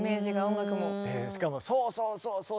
しかも「そうそうそうそう！」